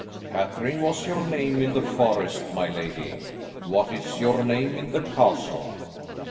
"Catherine was your name in the forest, my lady, what is your name in the castle?"